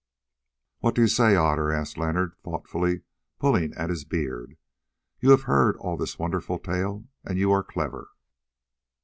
"What do you say, Otter?" asked Leonard, thoughtfully pulling at his beard, "you have heard all this wonderful tale and you are clever."